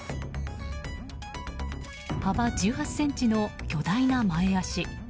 幅１８ｃｍの巨大な前脚。